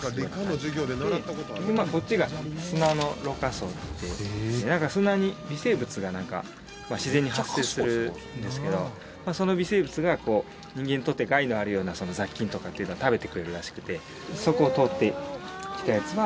でこっちが砂のろ過装置でなんか砂に微生物が自然に発生するんですけどその微生物が人間にとって害のあるような雑菌とかというのを食べてくれるらしくて。